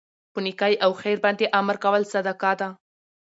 په نيکۍ او خیر باندي امر کول صدقه ده